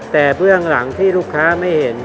แต่เบื้องหลังที่ลูกค้าไม่เห็น